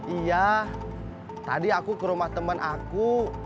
iya tadi aku ke rumah teman aku